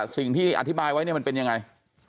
สิ่งที่อธิบายไว้เนี่ยมันเป็นยังไง